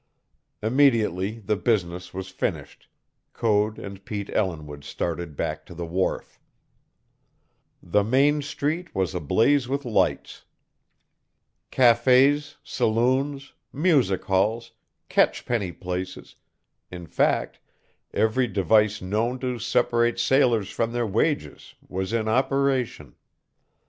Immediately the business was finished, Code and Pete Ellinwood started back to the wharf. The main street was ablaze with lights. Cafés, saloons, music halls, catch penny places in fact, every device known to separate sailors from their wages was in operation.